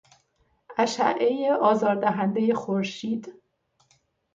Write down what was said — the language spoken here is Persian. اشعهی آزار دهندهی خورشید